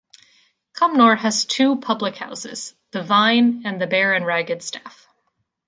Cumnor has two public houses, the Vine and the Bear and Ragged Staff.